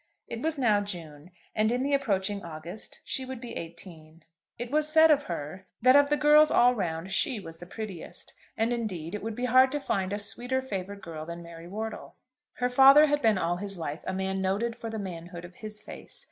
It was now June, and in the approaching August she would be eighteen. It was said of her that of the girls all round she was the prettiest; and indeed it would be hard to find a sweeter favoured girl than Mary Wortle. Her father had been all his life a man noted for the manhood of his face.